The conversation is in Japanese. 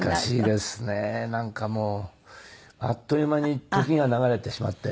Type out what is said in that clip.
なんかもうあっという間に時が流れてしまって。